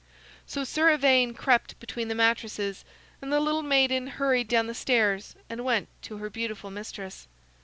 So Sir Ivaine crept between the mattresses, and the little maiden hurried down the stairs and went to her beautiful mistress.